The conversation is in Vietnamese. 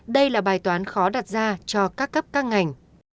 đây là bài toán khó đặt ra cho các cấp các ngành